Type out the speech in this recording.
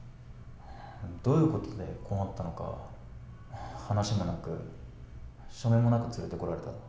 どういうことでこうなったのか話もなく、書面もなく連れてこられた。